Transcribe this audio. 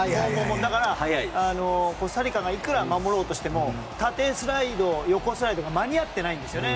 だから、コスタリカがいくら守ろうとしても縦スライド、横スライドが間に合ってないんですよね。